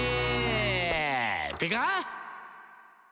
「ってか！」